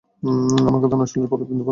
আমার কথা না শুনলে পরে কিন্তু পস্তাতে হবে।